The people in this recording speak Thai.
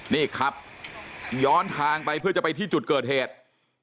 นี่ขับย้อนทางไปเพื่อจะไปที่จุดเกิดเหตุ